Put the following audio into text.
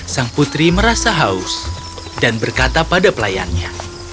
sang putri merasa haus dan berkata pada pelayannya